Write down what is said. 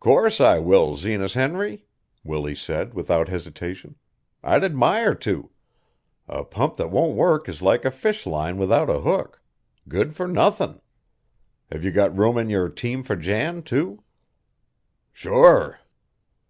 "Course I will, Zenas Henry," Willie said without hesitation. "I'd admire to. A pump that won't work is like a fishline without a hook good for nothin'. Have you got room in your team for Jan, too?" "Sure."